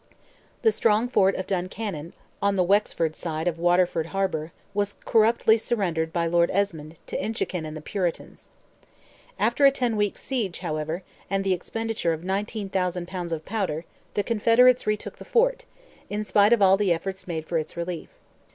The strong fort of Duncannon, on the Wexford side of Waterford harbour, was corruptly surrendered by Lord Esmond, to Inchiquin and the Puritans. After a ten weeks' siege, however, and the expenditure of 19,000 pounds of powder, the Confederates retook the fort, in spite of all the efforts made for its relief.